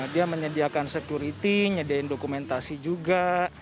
dia menyediakan security menyediakan dokumentasi juga